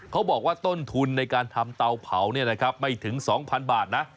เขาบอกว่าต้นทุนในการทำเตาเผาไม่ถึง๒๐๐๐บาทนะ